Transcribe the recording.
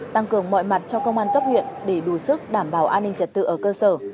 tăng cường mọi mặt cho công an cấp huyện để đủ sức đảm bảo an ninh trật tự ở cơ sở